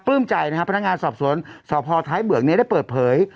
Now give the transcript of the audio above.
ใจนะครับพนักงานสอบสวนสพท้ายเบือกนี้ได้เปิดเผย